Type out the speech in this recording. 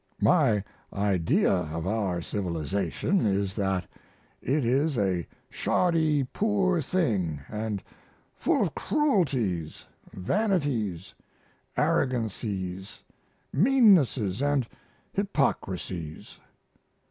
My idea of our civilization is that it is a shoddy, poor thing & full of cruelties, vanities, arrogancies, meannesses, & hypocrisies.